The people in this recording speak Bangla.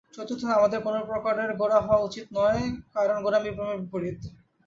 চতুর্থত আমাদের কোনপ্রকারের গোঁড়া হওয়া উচিত নয়, কারণ গোঁড়ামি প্রেমের বিপরীত।